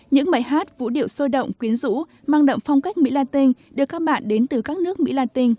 những bài hát vũ điệu sôi động quyến rũ mang động phong cách mỹ latin đưa các bạn đến từ các nước mỹ latin